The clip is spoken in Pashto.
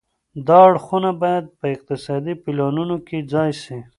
دا اړخونه باید په اقتصادي پلانونو کي ځای سي.